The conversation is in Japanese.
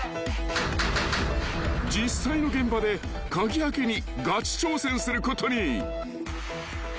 ［実際の現場で鍵開けにがち挑戦することに］